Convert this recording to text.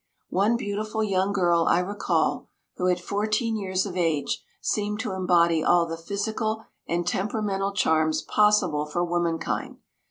One beautiful young girl I recall who at fourteen years of age seemed to embody all the physical and temperamental charms possible for womankind.